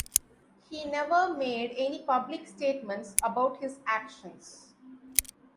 He never made any public statements about his actions.